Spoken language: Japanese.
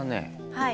はい。